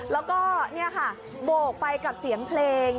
แล้วก็นี่ค่ะโบกไปกับเสียงเพลง